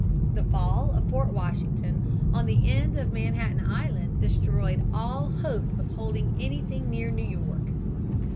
The fall of Fort Washington on the end of Manhattan Island destroyed all hope of holding anything near New York.